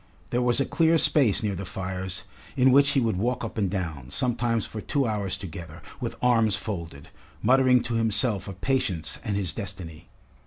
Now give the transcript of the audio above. There was a clear space near the fires in which he would walk up and down, sometimes for two hours together, with arms folded, muttering to himself of Patience and his destiny.